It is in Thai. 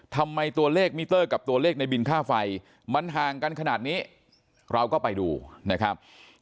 ทำไมตัวเลขมิเตอร์กับตัวเลขในบินค่าไฟมันห่างกันขนาดนี้เราก็ไปดูนะครับ